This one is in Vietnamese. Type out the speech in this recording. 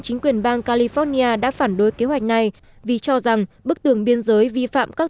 chính quyền bang california đã phản đối kế hoạch này vì cho rằng bức tường biên giới vi phạm các